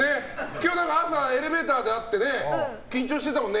今日朝エレベーターで会ってね緊張してたもんね。